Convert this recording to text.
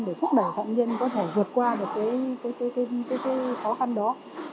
để thúc đẩy phạm nhân có thể vượt qua được cái khó khăn đó